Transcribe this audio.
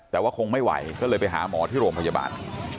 แต่ว่าคงไม่ไหวก็เลยไปหาหมอที่โรงพยาบาล